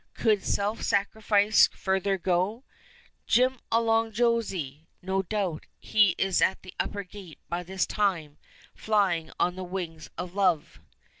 Could self sacrifice further go? 'Jim along Josy,' no doubt he is at the upper gate by this time, flying on the wings of love."